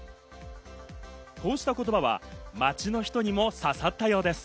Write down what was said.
こうした言葉は街の人にも刺さったようです。